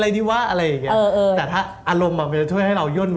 อารมณ์